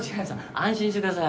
安心してください。